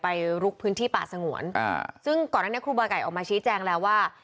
ไปลุกพื้นที่ป่าสงวนซึ่งก่อนหน้านี้ครูบ้าไก่ออกมาชี้แจ้งแล้วว่า